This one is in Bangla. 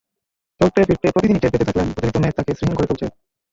চলতে-ফিরতে প্রতিদিনই টের পেতে থাকলেন, অতিরিক্ত মেদ তাঁকে শ্রীহীন করে তুলছে।